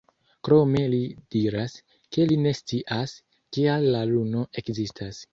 Krome li diras, ke li ne scias, kial la luno ekzistas.